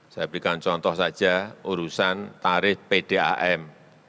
saya berikan contoh saja urusan tarif pdam